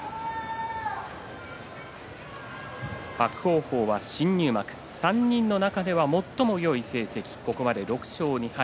伯桜鵬は新入幕３人の中では最もよい成績、ここまで６勝２敗。